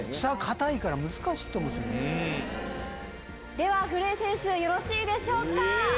では古江選手よろしいでしょうか。